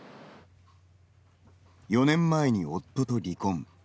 ４年前に夫と離婚。